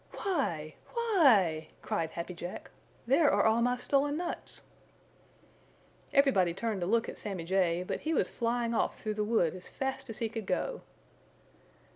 "Why! Why e e!" cried Happy Jack. "There are all my stolen nuts!" Everybody turned to look at Sammy Jay, but he was flying off through the wood as fast as he could go.